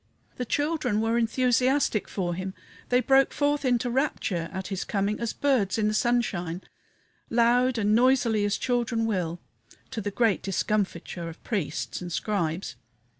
The children were enthusiastic for him, they broke forth into rapture at his coming as birds in the sunshine, loud and noisily as children will, to the great discomfiture of priests and Scribes.